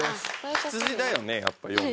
羊だよねやっぱ４番。